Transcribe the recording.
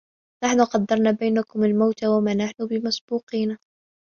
نَحنُ قَدَّرنا بَينَكُمُ المَوتَ وَما نَحنُ بِمَسبوقينَ